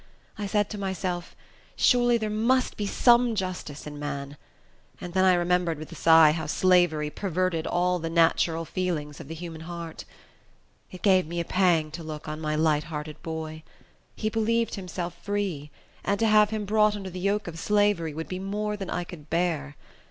I said to myself, "Surely there must be some justice in man;" then I remembered, with a sigh, how slavery perverted all the natural feelings of the human heart. It gave me a pang to look on my light hearted boy. He believed himself free; and to have him brought under the yoke of slavery, would be more than I could bear.